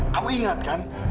kamu ingat kan